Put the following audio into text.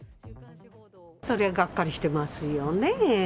そりゃがっかりしてますよね。